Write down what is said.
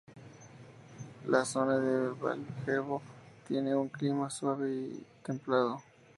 La zona de Valjevo tiene un clima suave y templado.